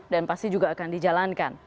dan pasti juga akan dijalankan